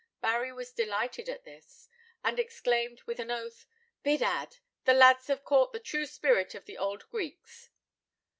Barry was delighted at this, and exclaimed with an oath, "Bedad! the lads have caught the true spirit of the ould Greeks."